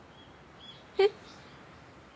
えっ？